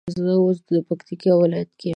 زه اوس پکتيا ولايت کي يم